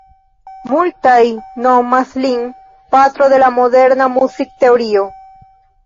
Multaj nomas lin "patro de la moderna muzikteorio".